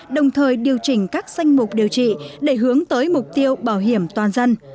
đồng thời điều chỉnh các danh mục điều trị để hướng tới mục tiêu bảo hiểm toàn dân